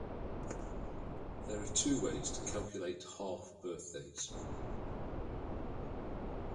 There are two ways to calculate half-birthdays.